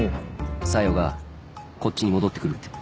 小夜がこっちに戻ってくるって。